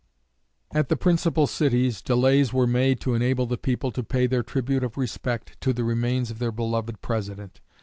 At the principal cities delays were made to enable the people to pay their tribute of respect to the remains of their beloved President.